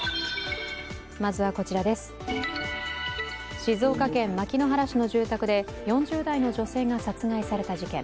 静岡県牧之原市の住宅で４０代の女性が殺害された事件。